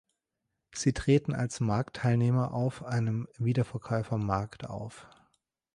Sie treten als Marktteilnehmer auf einem Wiederverkäufer-Markt auf.